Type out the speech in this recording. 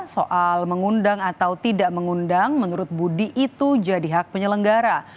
soal mengundang atau tidak mengundang menurut budi itu jadi hak penyelenggara